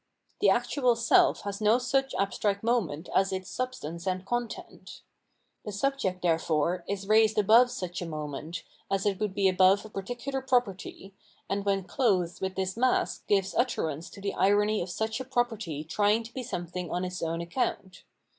The actual self has no such abstract moment as its substance and content. The subject, therefore, is raised above such a moment, as it would be above a particular property, and when clothed with this mask gives utterance to the irony of such a property trying to be something on its own account.